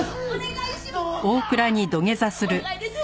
お願いです！